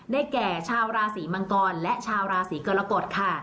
แก่ชาวราศีมังกรและชาวราศีกรกฎค่ะ